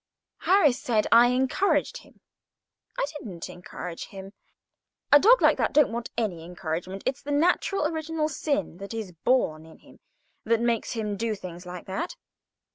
Harris said I encouraged him. I didn't encourage him. A dog like that don't want any encouragement. It's the natural, original sin that is born in him that makes him do things like that.